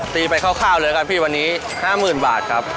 ตีไปคร่าวเลยครับพี่วันนี้๕๐๐๐บาทครับ